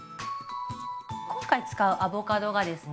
今回使うアボカドがですね